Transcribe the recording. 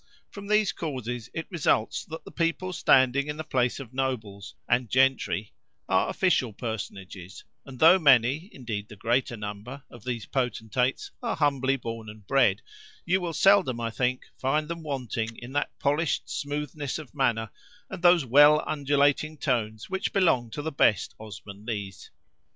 From these causes it results that the people standing in the place of nobles and gentry are official personages, and though many (indeed the greater number) of these potentates are humbly born and bred, you will seldom, I think, find them wanting in that polished smoothness of manner, and those well undulating tones which belong to the best Osmanlees.